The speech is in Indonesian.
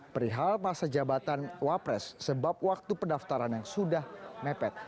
perihal masa jabatan wapres sebab waktu pendaftaran yang sudah mepet